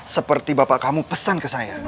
seperti bapak kamu pesan ke saya